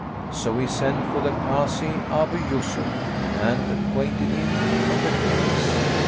So he sent for the Kazi Abϊ Yϊsuf and acquainted him of the case.